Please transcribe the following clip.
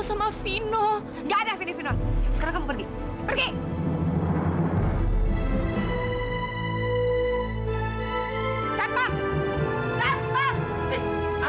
sampai jumpa di video selanjutnya